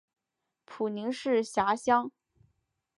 普宁市辖乡。